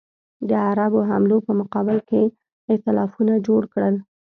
د عربو حملو په مقابل کې ایتلافونه جوړ کړل.